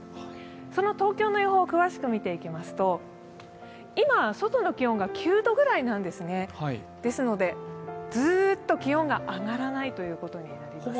その東京の予報を詳しく見ていきますと、今、外の気温が９度ぐらいなので、ずーっと気温が上がらないということになります。